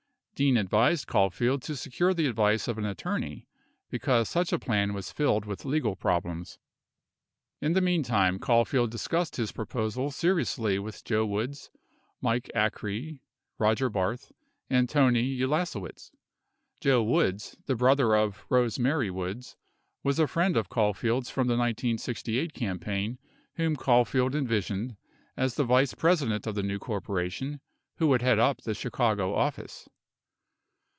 Dean advised Caulfield to secure the advice of an attorney because such a plan was filled with legal problems. 36 In the meantime, Caulfield discussed his proposal seriously with Joe Woods, Mike Acree, Roger Barth, and Tony Ulasewicz. Joe Woods, the brother of Rose Mary "Woods, was a friend of Caulfield's from the 1968 campaign whom Caulfield envisioned as the vice president of the new corporation who would head up the Chicago office.